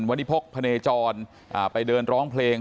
วันนี้พกพะเนจรไปเดินร้องเพลง